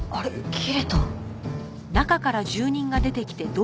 切れた。